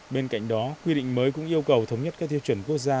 bên cạnh đó quy định mới cũng yêu cầu thống nhất các tiêu chuẩn quốc gia